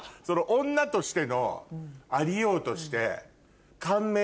女としてのありようとして。